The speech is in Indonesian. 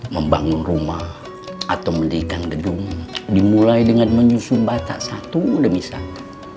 membangun rumah atau mendirikan gedung dimulai dengan menyusun batak satu demi satu